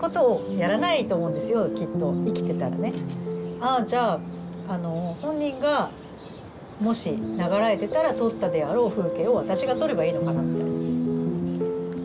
ああじゃあ本人がもし永らえてたら撮ったであろう風景を私が撮ればいいのかなみたいな。